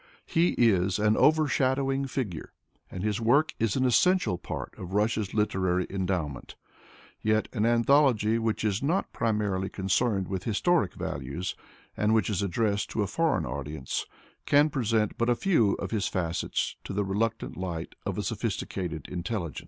He is an over shadowing figure, and his work is an essential part of Russia's 3 4 Alexander Pushkin literary endowment Yet an anthology which is not primarily concerned with historic values, and which is addressed to a foreign audience, can present but a few of his facets to the reluctant light of a sophisticated intelligence.